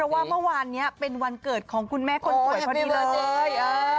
ว่าเมื่อวานนี้เป็นวันเกิดของคุณแม่คนสวยพอดีเลย